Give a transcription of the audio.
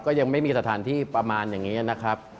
ยังไม่มีสถานที่ประมาณอย่างนี้นะครับ